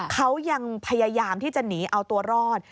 เขายังพยายามที่จะหนีเอาตัวรอด